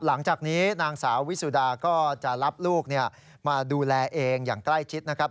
หลังจากนี้นางสาววิสุดาก็จะรับลูกมาดูแลเองอย่างใกล้ชิดนะครับ